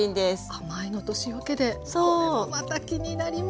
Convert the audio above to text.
甘いのと塩けでこれもまた気になります。